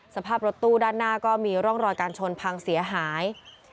สภาพรถตู้ด้านหน้าก็มีร่องรอยการชนพังเสียหาย